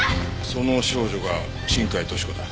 その少女が新海登志子だ。